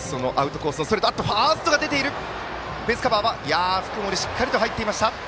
ベースカバー福盛、しっかり入っていました。